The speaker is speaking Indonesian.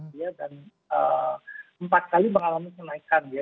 dan empat kali mengalami kenaikan ya